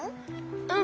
うん。